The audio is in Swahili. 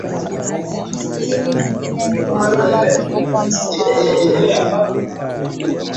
Dalili nyingine ni wanyama kutupa mimba